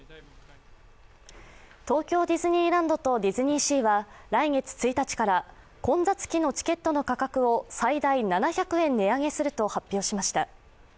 東京ディズニーランドとディズニーシーは、来月１日から混雑期のチケットの価格を最大７００円値上げすると発表しました。